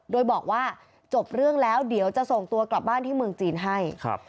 โดยบอกว่าจบเรื่องแล้วเดี๋ยวจะส่งตัวกลับบ้านที่เมืองจีนให้ครับ